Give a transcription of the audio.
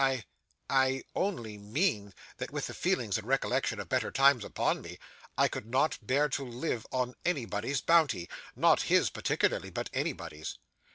I I only mean that with the feelings and recollection of better times upon me, I could not bear to live on anybody's bounty not his particularly, but anybody's.